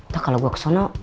tuh kalo gue kesana